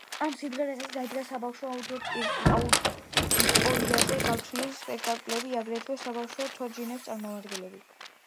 ამ სიმღერაზე დაიდგა საბავშვო აუდიტორიაზე გათვლილი სპექტაკლები, აგრეთვე საბავშვო თოჯინების წარმოდგენები.